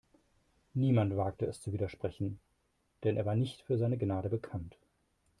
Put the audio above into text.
Niemand wagte es zu widersprechen, denn er war nicht für seine Gnade bekannt.